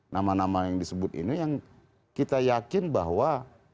nama nama yang disebut ini yang kita yakin bahwa